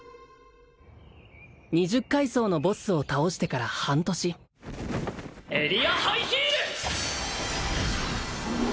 二十階層のボスを倒してから半年エリアハイヒール！